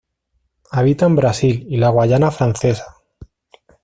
Habita en Brasil y la Guayana Francesa.